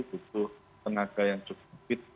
butuh tenaga yang cukup